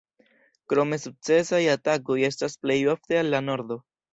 Krome, sukcesaj atakoj estas plej ofte al la nordo.